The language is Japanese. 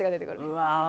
うわ。